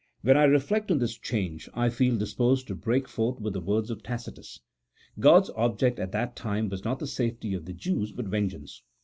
When I reflect on this change, I feel disposed to break forth with the words of Tacitns. God's object at that time was not the safety of the Jews, but vengeance.